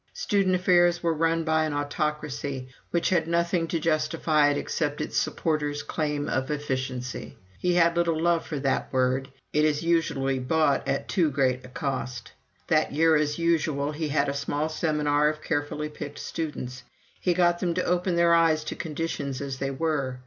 Student affairs were run by an autocracy which had nothing to justify it except its supporters' claim of "efficiency." He had little love for that word it is usually bought at too great a cost. That year, as usual, he had a small seminar of carefully picked students. He got them to open their eyes to conditions as they were.